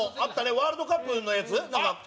ワールドカップのやつ？